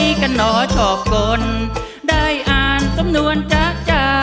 ไม่กันหรอชอบคนได้อ่านสมนวนจ๊ะจ๊ะ